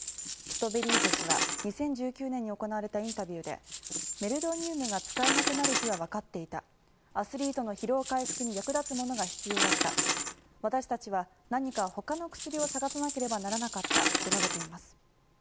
トゥトベリーゼ氏は２０１９年に行われたインタビューでメルドニウムが使えなくなる日はわかっていてアスリートの疲労回復に役立つものが必要だった私たちは何かほかの薬を探さなければならなかったと述べています。